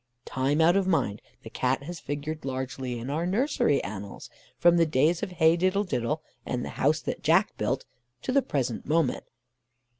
Time out of mind the Cat has figured largely in our nursery annals from the days of Heigh Diddle Diddle and the House that Jack Built to the present moment.